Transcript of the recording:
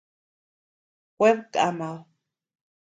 Kued kamad.